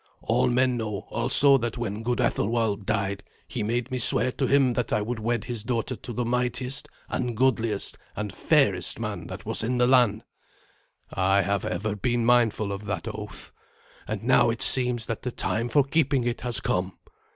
All men know also that when good Ethelwald died he made me swear to him that I would wed his daughter to the mightiest and goodliest and fairest man that was in the land. I have ever been mindful of that oath, and now it seems that the time for keeping it has come.